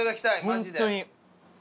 本当に。